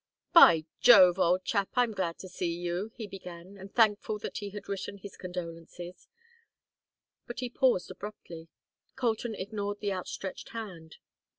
"By Jove, old chap, I'm glad to see you," he began, and thankful that he had written his condolences; but he paused abruptly. Colton ignored the outstretched hand.